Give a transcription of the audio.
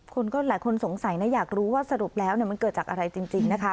คนก็หลายคนสงสัยนะอยากรู้ว่าสรุปแล้วมันเกิดจากอะไรจริงนะคะ